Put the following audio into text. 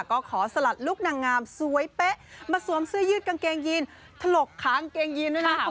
ก็ขอสลัดลูกนางงามสวยเป๊ะมาสวมเสื้อยืดกางเกงยีนถลกค้างเกงยีนด้วยนะ